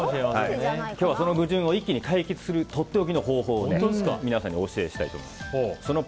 今日はその矛盾を一気に解決するとっておきの方法を皆さんにお教えしたいと思います。